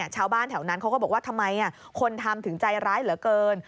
ชาวบ้านแถวนั้นเขาก็บอกว่าทำไมคนทำถึงใจร้ายเหลือเกิน